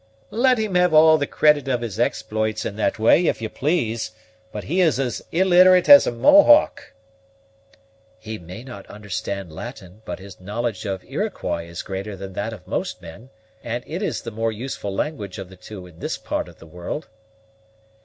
"Let him have all the credit of his exploits in that way if you please; but he is as illiterate as a Mohawk." "He may not understand Latin, but his knowledge of Iroquois is greater than that of most men, and it is the more useful language of the two in this part of the world."